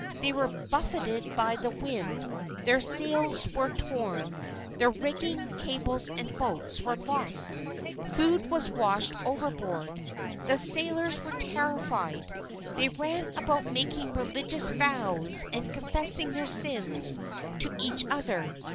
They were buffeted by the wind, their sails were torn, their rigging, cables, and boats were lost. Food was washed overboard. The sailors were terrified, they ran about making religious vows and confessing their sins to each other.